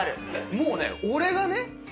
もうね俺がね